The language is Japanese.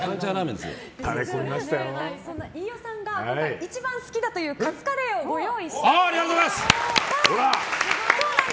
そんな飯尾さんが一番好きだというカツカレーをご用意しました。